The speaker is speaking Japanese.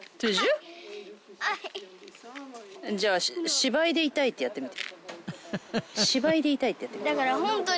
芝居で痛いってやってみて。